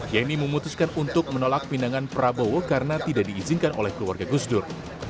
yeni memutuskan untuk menolak pinangan prabowo karena tidak diizinkan oleh keluarga gusdur